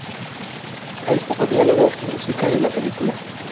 Hay poco diálogo o música en la película.